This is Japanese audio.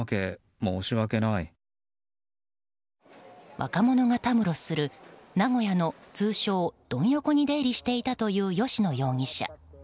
若者がたむろする名古屋の通称ドン横に出入りしていたという吉野容疑者。